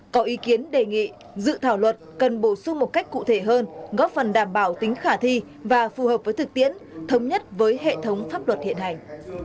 có ý kiến đề nghị dự thảo luật cần bổ sung một cách cụ thể hơn góp phần đảm bảo tính khả thi và phù hợp với thực tiễn thống nhất với hệ thống pháp luật hiện hành